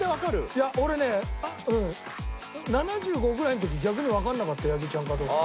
いや俺ね７５ぐらいの時逆にわかんなかった八木ちゃんかどうか。